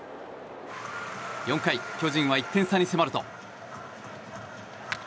４回、巨人は１点差に迫ると。